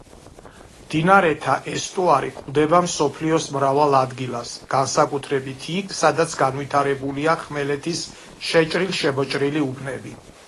მდინარეთა ესტუარი გვხვდება მსოფლიოს მრავალ ადგილას, განსაკუთრებით იქ, სადაც განვითარებულია ხმელეთის შეჭრილ-შემოჭრილი უბნები.